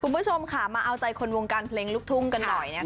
คุณผู้ชมค่ะมาเอาใจคนวงการเพลงลูกทุ่งกันหน่อยนะคะ